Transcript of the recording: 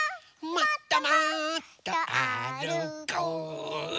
「もっともっとあるこう」